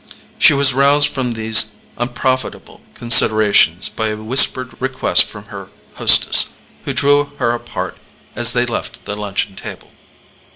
She was roused from these unprofitable considerations by a whispered request from her hostess, who drew her apart as they left the luncheon table.